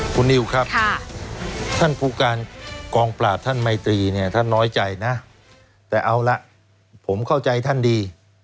คุณนิวครับท่านผู้การกองปราบท่านไมตรีเนี่ยท่านน้อยใจนะแต่เอาละผมเข้าใจท่านดี